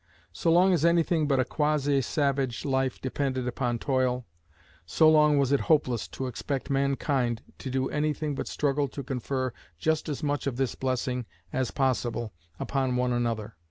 So long as anything but a quasi savage life depended upon toil, so long was it hopeless to expect mankind to do anything but struggle to confer just as much of this blessing as possible upon one another.